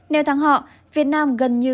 nếu thắng họ việt nam gần như